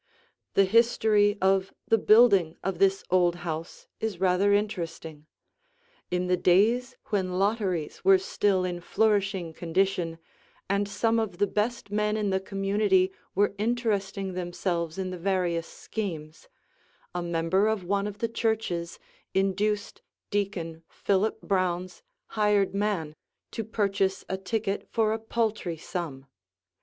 [Illustration: BOULDER FARM FRONT VIEW] The history of the building of this old house is rather interesting. In the days when lotteries were still in flourishing condition, and some of the best men in the community were interesting themselves in the various schemes, a member of one of the churches induced Deacon Philip Brown's hired man to purchase a ticket for a paltry sum.